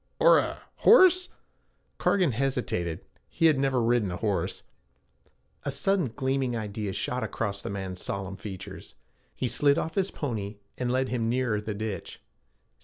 'Or a horse?' Cargan hesitated. He had never ridden a horse. A sudden gleaming idea shot across the man's solemn features. He slid off his pony and led him nearer the ditch.